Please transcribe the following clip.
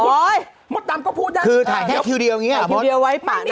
โอ๊ยเขาปู๊ดอ่ะคือถ่ายแค่คิวเดียวเงี้ยอ่ะคลิปอย่างนี้